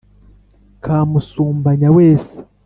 kamusumbanya wese